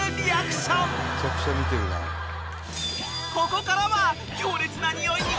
［ここからは］